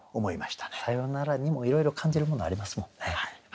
「さよなら」にもいろいろ感じるものありますもんね。